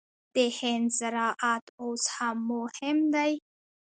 د هند زراعت اوس هم مهم دی.